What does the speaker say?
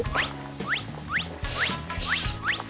よし。